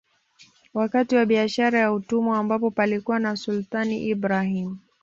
Wakati wa Biashara ya Utumwa ambapo palikuwa na Sultani Ibrahim